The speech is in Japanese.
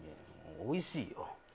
おいしいよ。